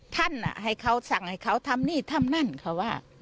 ท่านให้เขาสั่งให้เขาทำนี่ทำนั่นเขาว่า